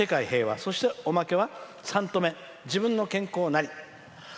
そして、おまけは３兎目自分の健康」。